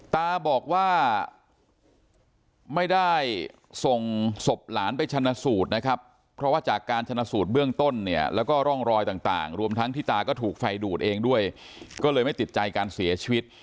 ตาบอกว่าไม่ได้ส่งศพหลานไปชนะสูตรนะครับเพราะว่าจากการชนะสูตรเบื้องต้นเนี่ยแล้วก็ร่องรอยต่างรวมทั้งที่ตาก็ถูกไฟดูดเองด้วยก็เลยไม่ติดใจการเสียชีวิต